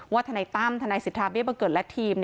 ว่าทันายตั้มทันายศิษฐาเบี้ยประเกิร์ตและทีม